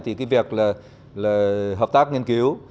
thì cái việc là hợp tác nghiên cứu